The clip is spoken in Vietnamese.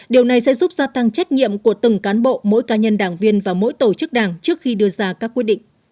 điều này sẽ giúp gia tăng trách nhiệm của từng cán bộ mỗi cá nhân đảng viên và mỗi tổ chức đảng trước khi đưa ra các quyết định